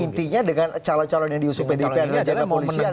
intinya dengan calon calon yang diusupin di pnr